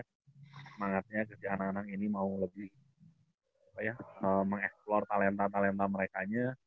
semangatnya kecil anak anak ini mau lebih mengeksplore talenta talenta mereka